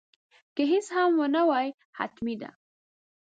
که هیڅ هم ونه وایې حتمي ده.